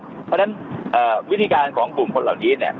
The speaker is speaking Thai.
เพราะฉะนั้นวิธีการของกลุ่มคนเหล่านี้